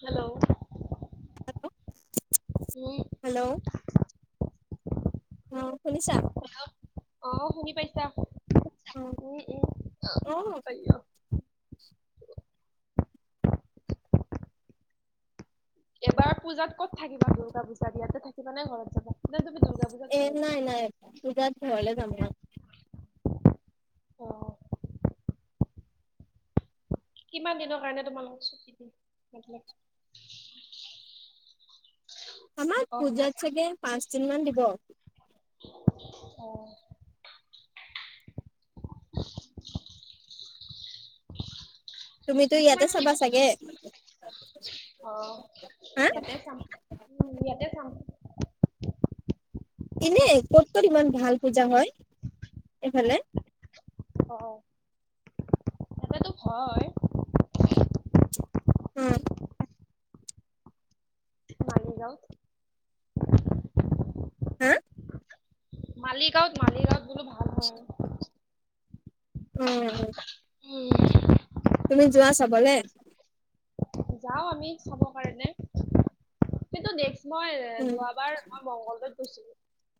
Hello. উম, hello. অ শুনিছা। হেল্ল'। অ শুনি পাইছা। উম অঁ। পাইও। এবাৰ পূজাত ক'ত থাকিবা দুৰ্গা পূজাত ইয়াতে থাকিবা নে ঘৰত যাবা। নে তুমি দুৰ্গা পূজাত এ ঘৰত যোৱা? নাই নাই পূজাত ঘৰলে যাম। অ, কিমান দিনৰ কাৰণে তোমালোকক চুটি দিম কৈছে। আমাৰ পূজাত থাকা চাগে পাঁচদিন মান দিব। অ, তুমিতো তোমাৰ ইয়াতে কি চাবা চাগে। অ', হা ইয়াতে চাম। ইয়াতে চাম। এনেই কত ক'ত ইমান ভাল পূজা হয়, এইফালে। অ', ইয়াতেতো হয় উম। মালিগাঁৱত। হা। মালিগাঁৱত মালিগাঁৱত। বোলো ভাল হয় আৰু। [inaudible] উম। উ [inaudible] তুমি যোৱা চাবলে। অঁ আমি চাব কাৰণে কিন্তু, নেক্স মই উম যোৱাবাৰ মই মংগলদৈট। গৈছিল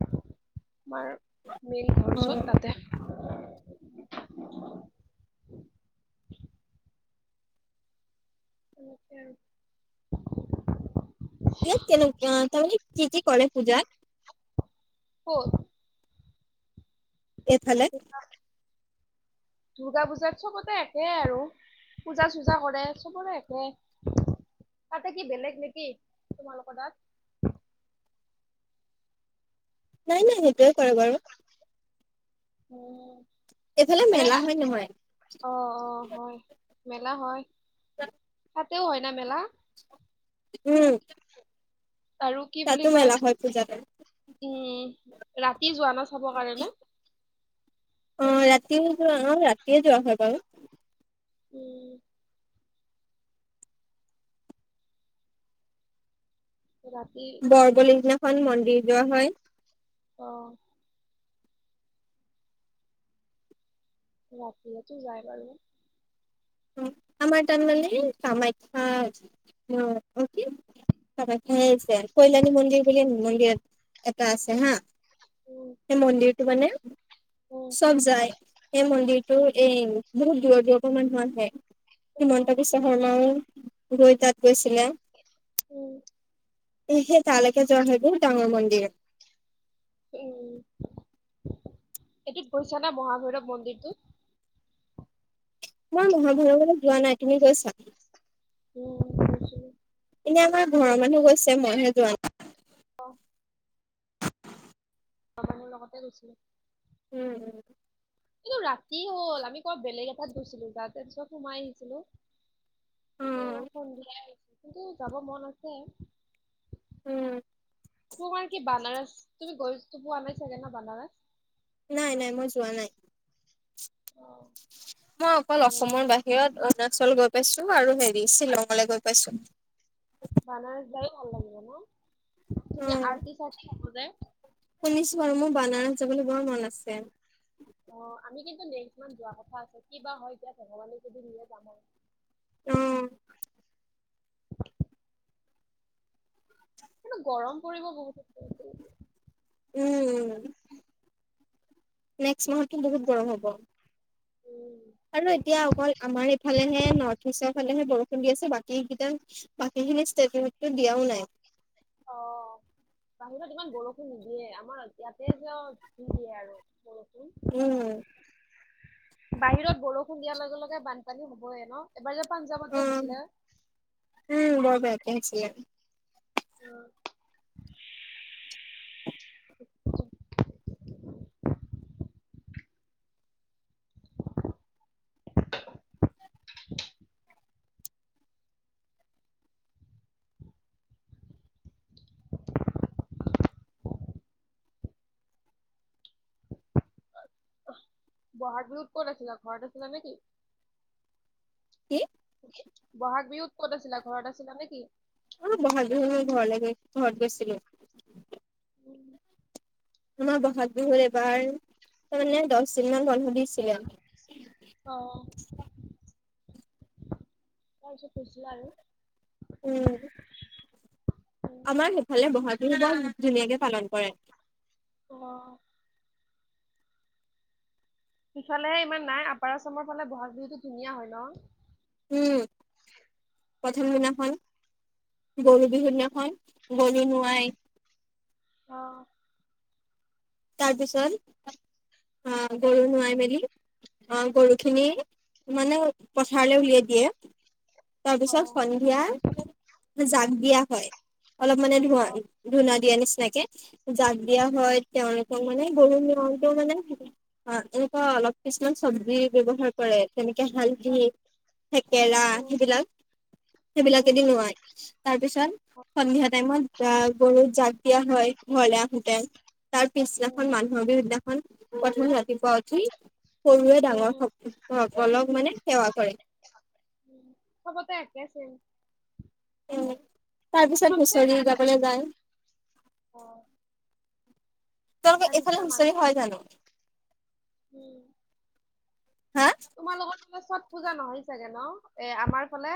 আমাৰ মেইন ঘৰ অ জত তাতে। তেনেকে আৰু কেনেকে তাৰমানে কি-কি কৰে পূজাত। ক'ত এইফালে দুৰ্গা দুৰ্গা পূজাত চবতে একে আৰু পূজা-চূজা কৰে চবৰে একে। তাতে কি বেলেগ নেকি তোমালোকৰ তাত। নাই নাই সেইটোৱে কৰে বাৰু। উম এইফালে এনে মেলা হয় নহয়। অ অ হয় মেলা হয়। উ [unintelligible] তাতেও হয় ন মেলা। উম। আৰু কি বুলি তাতো কয় মেলা হয় পূজাতে উম, ৰাটি। কি পোৱা না চাবৰ কাৰণে। অহ ৰাতিও যোৱা অ ৰাতিয়ে যোৱা হয় বাৰু। উম। ৰাতি বৰ বলি দিনাখন মন্দিৰ যোৱা হয়। অ', ৰাতিটো যাই বাৰু আমাৰ টান মানে কি কামাখ্যা [unintelligible] খ পইলে মুগিৰ বুলিল ন ম [unintelligible] এটা আছে হা উম সেই মন্দিৰটো মানে। উম চব যায়, সেই মন্দিৰটো এ বহুত দূৰ দূৰ পৰা মানুহ আহে। অ হিমন্ত বিশ্ব শৰ্মাও ৰৈ তাত গৈছিলে। উম, সেই তালেকে জোৱাবোৰ সেইবোৰ ডাঙৰ মন্দিৰে। উম এইটোত গৈছা নে মহাভৈৰৱ মন্দিৰটো। মই মহাভাৰতলৈ যোৱা নাই। তুমি গৈছা? উম, গৈছিলোঁ। এ আমাৰ ঘৰৰ মানুহ গৈছে মই হে যোৱা নাই। অ', ঘৰৰ মানুহৰ লগতে গৈছিলো। উম-উম। এইটো ৰাতি হ'ল আমি ক বেলেগ এটাত গৈছিলো তা তাৰ পিছত সোমাই আহিছিলো। কিন্তু নাই সন্ধিয়াইছে কিন্তু যাব মন আছে। উম, তোমাৰ কি বানাৰাচ তুমি গৈটো পোৱা নাই চাগে ন বানাৰচ। নাই নাই মই জোৱা নাই। অ', মই অকল বানাৰস অসমৰ বাহিৰত অৰুণাচল গৈ। পাইছো আৰু হেৰি শ্বিলঙলৈ গৈ পাইছো। বানাৰস যায়ও ভাল লাগিব যানা। অ' শুনিছো আৰু মোৰ বানাৰচ যাবলৈ বৰ মন আছে। তে অ' আমি কিন্তু নেক্স মাহ যোৱা কথা আছে কি বা হয় এতিয়া ভগৱানে যদি নিযে যাম আৰু। অ', সেইটো গৰম পৰিব বহুত। উম, নেক্সট মাহটো বহুত গৰম হ'ব। উম আৰু এতিয়া অকল আমাৰ এইফালেহে নৰ্থ ইষ্টৰ ফালেহে বৰষুণ। আছে বাকীকেইটা বাকীখিনি ষ্টটমেটটো দিয়াও নাই। অ বাহিৰত ইমান বৰষুণ নিদিয়ে আমাৰ ইয়াতে যে দিয়ে আৰু বৰষুণ। উম'। বাহিৰত বৰষুণ দিয়াৰ লগে লগে বানপানী হবয়ে ন। এবাৰ যে, পাঞ্জাৱত যে উম'। হৈছিলে উম, বৰ বেয়া কে হৈছে ইয়াত। উম'। [unintelligible] [inaudible] ব'হাগ বিহুত ক'ত আছিল, ঘৰৰত আছিল নেকি? কি [unintelligible] বহাগ বিহুত ক'ত আছিলা, ঘৰত আছিলা নেকি? অলপ বহাগ বিহুলৈ ঘৰলৈ গৈ- ঘৰত গৈছিলোঁ। আমাৰ বহাগ বিহুত এবাৰ তাৰ মানে দহ দিনমান বন্ধ দিছিলে। অ তাৰপিছত কৈছিলা আৰু। উম। উম আমাৰ সেইফালে বহাগ বিহু বৰ ধুনীয়াকে পালন কৰে। অহ'। সিফালে ইমান নাই আপাৰ আচামৰ ফালে ব'হাগ বিহুতটো ধুনীয়া হয় ন। উম' প্ৰথম দিনাখন, উম গৰু বিহুৰ দিনাখন। গৰু নোৱায়। অহ'। তাৰপিছত অহ' গৰু নাই মেলি। অহ' গৰুখিনি উম মানে পথাৰলৈ উলিয়াই দিয়ে। অ তাৰপিছত সন্ধিয়া, জাক দিয়া হয়। অলপ মানে অ ধুৱা-ধূনা দিয়া নিচিনাক, জাক দিয়া পাইছো হয়। তেওঁলোকৰ মানে, গৰু নিয়মতো মানে অ' এনেকুৱা অলপ কিছুমান চব্জি ব্যৱহাৰ কৰে, যেনেকে নেকে হালধি। থেকেৰা উম সেইবিলাক। সেইবিলাকেদি উম নোৱাই, তাৰপিছত অ সন্ধিয়া টাইমত গৰু জাক দিয়া হয়, ঘৰলে আহোতে, উম তাৰপিছদিনাখন মানুহৰ বিৰুদ্ধ। প্ৰথম ৰাতিপুৱা উঠি। সৰুৱে উম ডাঙৰ উম স- সকলক মানে সেৱা কৰে। উম' চবতে একে আছে। তাৰপিছত হুচৰি গাবলে যায়। অ তেওঁলোকে, তাৰ এইফালে নিচিনা মানুহ হুচৰি হয় জানো। উম'। হা তোমালোকৰ তাতে চব। পূজা নহয় চাগে ন। এ আমাৰ ফালে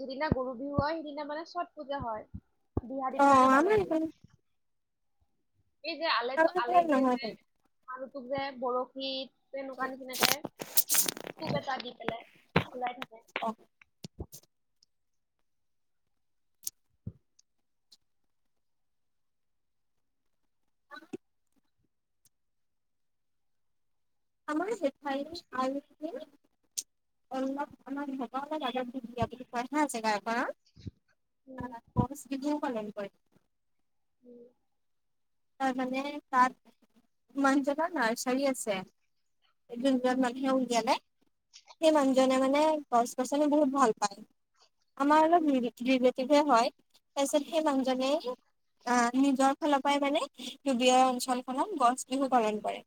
যিদিনা গৰু বিহু হয়, সেইদিনা মানে চট পূজা হয়। বিহাৰী অ' বিলাকে পালে আমাৰ এইটো। এইফালে এই যে আলেইটো আমাৰ এইফালে আলেই দিয়ে নহয় যে। জানো? আৰু তোক যে বৰশীত, এনেকুৱা নিচিনাকে খুব এটা দি পেলাই, ঘূৰাই থাকো। অ' অ'। আমাৰ জেঠাইৰ ভাল নে? অলপ আমাক ভকক হব লাগে, দিয়া বুলি কয় হা জেগাৰ পৰা। উম, অহ, গছ বিহুও পালন কৰে। উম'। তাৰ মানে, তাত ইমান জেগা নাই, চাৰি আছে। এদিন উম, [unintelligible] মাখিয়েও উলিয়ালে। সেই মানুহজনে মানে, গছ-গছনি বহুত ভাল পায়। আমাৰ অলপ উম, ৰি-ৰিলেটিভহে হয়। তাৰপিছত সেই মানুহজনে আহ নিজৰ ফালৰ পৰাই মানে, চবীয়ৰ অঞ্চলখনত গছ বিহু পালন কৰে।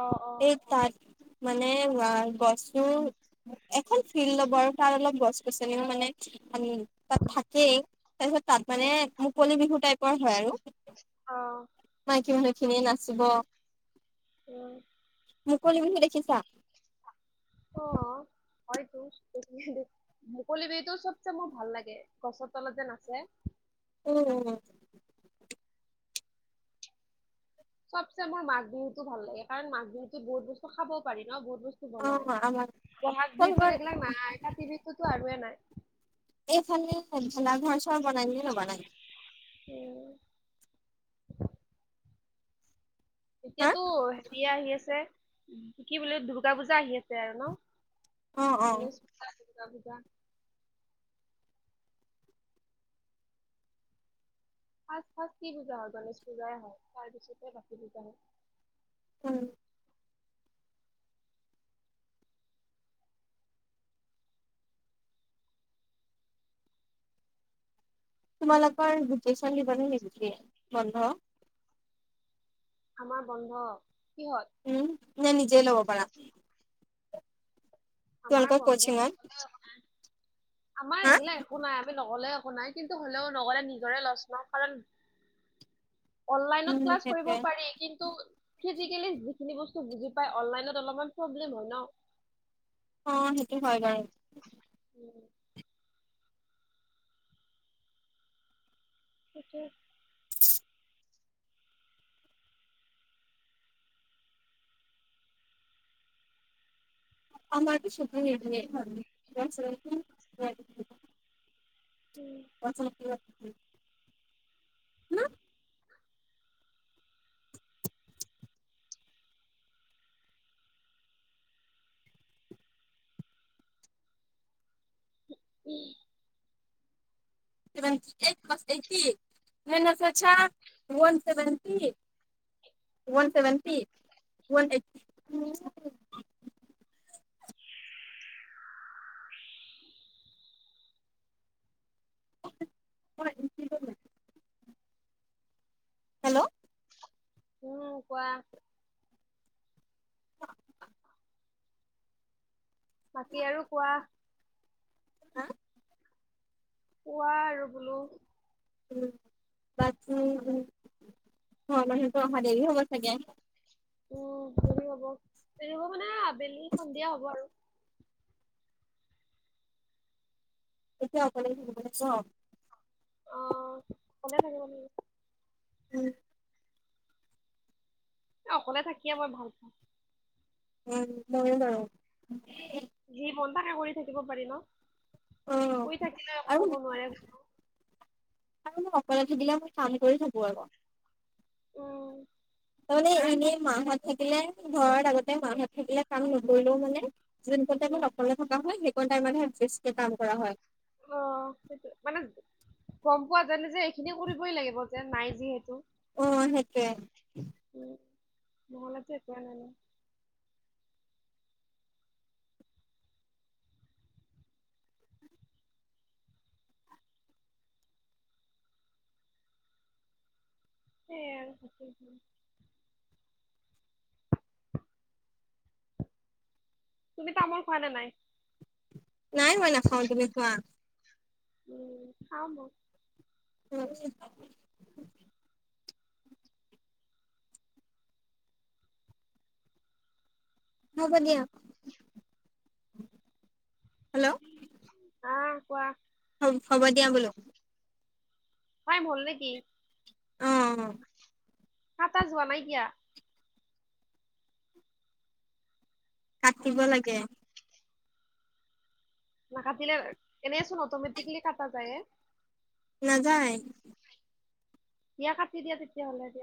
অ', অ', এই অ', তাত। মানে [unintelligible] গছতো, এখন ফিল্ড ল'বৰ তাত অলপ গছ-গছনিও মানে [unintelligible] তাত থাকেই তাৰপিছত তাত অ', মানে মুকলি বিহু টাইপৰ হয় আৰু। অ'। বাকী মানুহখিনিয়ে নাচিব। অ'। মুকলি বিহু দেখিছা? অ'। হয়তো মুকলি বিহুটো চবচে মোৰ ভাল লাগে। গছৰ তলত যে নাচে। উম। চবচে মোৰ মাঘ বিহুতো ভাল লাগে। কাৰণ, মাঘ বিহুতো বহুত বস্তু খাব পাৰি ন বহুত। বস্তু অ আমাৰ বনায়। বহাগ বিহুততো তোমালোকৰ এইগিলাক নাই। কাতি বিহুতো আৰুৱে নাই। এইফালে ভেলা-ঘৰ চৰ বনাই নে নবনায়? উম হা এতিয়াতো হেৰি আহি আছে, কি বোলে দুৰ্গা পূজা আহি আছে আৰু ন'? অ অ [unintelligible] ফাৰ্ষ্ট ফাৰ্ষ্ট কি পূজা হয়? গনেশ পূজাই হয়, তাৰ পিছতে বাকী পূজা হয়। উম। তোমালোকৰ ভেকেচন দিব নেকি [unintelligible] বন্ধ। আমাৰ বন্ধ। কিহত উম নে নিজেই ল'ব পাৰা? আমাৰ তোমালোকৰ বন্ধ [inaudible] কচিঙত লেও একো নাই। আমাৰ হা এইগিলা একো নাই। আমি নগলে বনাই কিন্তু হ'লেও নগ'লে নিজৰে লছ ন ' কাৰণ উম অনলাইনত ক্লাছ কৰিব সেইটোৱে পাৰি, কিন্ত ফিজিকেলি যিখিনি ব তো বুজি পায় অনলাইনত অলপমান প্ৰব্লেম হয় ন। অ, সেইটো হয় বাৰু। উম, [inaudible] [unintelligible] [inaudible] [unintelligible] [unintelligible] [inaudible] উম, [unintelligible] এইট প্লাছ এইটি। মেনে চছা one seventy one seventy, one এই [unintelligible] [inaudible] [unintelligible] হেল্ল'? উম, কোৱা। বাকী আৰু কোৱা? হা? কোৱা আৰু বোলো? উম, বাকী হয় মানুহটো অহা দেৰি হ'ব চাগে! উম, দেৰি হ'ব -দেৰি হ'ব মানে আবেলি সন্ধিয়া হ'ব আৰু। এতিয়া অকলে [unintelligible] অ ভালে বাৰু উম, এ অকলে থাকিয়ে মই ভাল পাওঁ। উম, মইয় যাওঁ যি মন তাকে কৰি থাকিব পাৰি ন? অ আৰু [unintelligible] আৰু মই অকলে ধাৰিলে কাম কৰি থাকো আৰু উম তাৰমানে এনেই মাহ‍ঁত থাকিলে, ঘৰত আগতে মাহঁত থাকিলে কাম নকৰিলেও হয়নে যিকন উম টাইমত অকলে থকা হয় সেইকন টাইমতে বেছি কাম কৰা হয়। অ সেইটোয়ে মানে গম পোৱা জানো যে এইখিনি কৰিবই লাগিব যে নাই যিহেতু অ' সেইটোয়ে। [unintelligible] [inaudible] তুমি তামোল খোৱা নে নাই? নাই মই নাখাওঁ তুমি খোৱা। উম খাও মই। [inaudible] হব দিয়া [inaudible] অ কোৱা হ'ব দিয়া বোলো। [unintelligible] অ অ কাটা যোৱা নাইকিয়া কাটিব লাগে। নাকাটিলে এনেইচোন অটমেটিকেলি কাটা যায় এ। নাযায়। দিয়া কাটি দিয়া তেতিয়া হ'লে